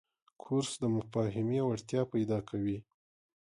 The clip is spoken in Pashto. کورس د مفاهمې وړتیا پیدا کوي.